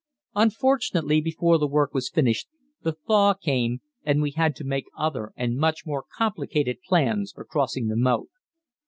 Unfortunately before the work was finished, the thaw came, and we had to make other and much more complicated plans for crossing the moat.